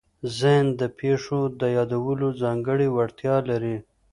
ذهن د پېښو د یادولو ځانګړې وړتیا لري.